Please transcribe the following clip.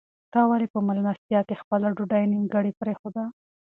تا ولې په مېلمستیا کې خپله ډوډۍ نیمګړې پرېښوده؟